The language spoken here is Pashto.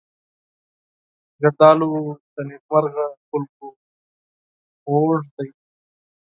زردالو د نېکمرغه خلکو خوږ دی.